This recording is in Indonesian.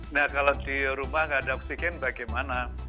nah kalau di rumah nggak ada oksigen bagaimana